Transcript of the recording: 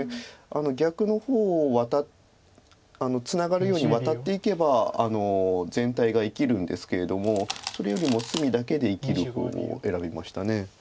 逆の方をツナがるようにワタっていけば全体が生きるんですけれどもそれよりも隅だけで生きる方を選びました。